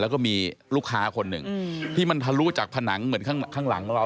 แล้วก็มีลูกค้าคนหนึ่งที่มันทะลุจากผนังเหมือนข้างหลังเรา